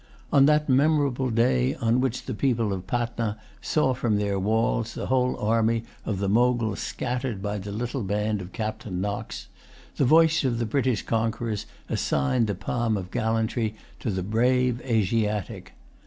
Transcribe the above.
On that memorable day on which the people of Patna saw from their walls the whole army of the Mogul scattered by the little band of Captain Knox, the voice of the British conquerors assigned the palm of gallantry to the brave Asiatic.